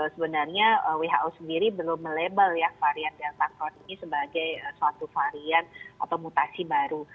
sebenarnya who sendiri belum melabel ya varian delta tahun ini sebagai suatu varian atau mutasi baru